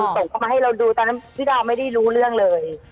ส่งเข้ามาให้เราดูตอนนั้นพี่ดาวไม่ได้รู้เรื่องเลย